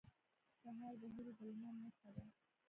سهار د هيلو د لمر نښه ده.